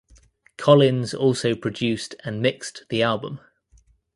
Collins also produced and mixed the album.